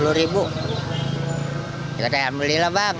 dia kata alhamdulillah bang